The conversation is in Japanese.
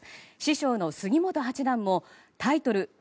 師匠の杉本八段もタイトル